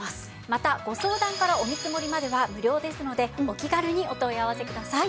またご相談からお見積もりまでは無料ですのでお気軽にお問い合わせください。